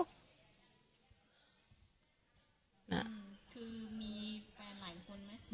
คือมีแฟนหลายคนไหม